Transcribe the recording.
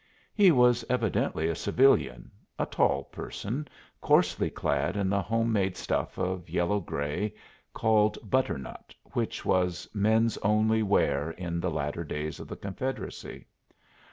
He was evidently a civilian a tall person, coarsely clad in the home made stuff of yellow gray, called "butternut," which was men's only wear in the latter days of the Confederacy.